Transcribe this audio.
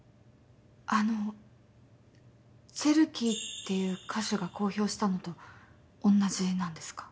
あのうチェルキーっていう歌手が公表したのとおんなじなんですか？